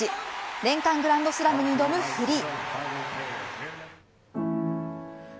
年間グランドスラムに挑むフリー。